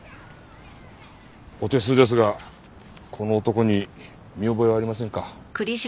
お手数ですがこの男に見覚えはありませんか？